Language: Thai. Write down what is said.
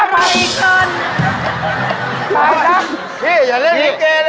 พี่อย่าเล่นแบบนี้เก่งเลย